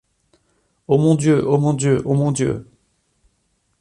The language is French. Ô mon Dieu! ô mon Dieu ! ô mon Dieu !